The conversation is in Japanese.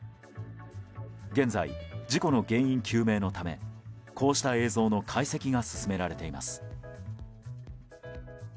現在、事故の原因究明のためこうした映像の解析が進められています。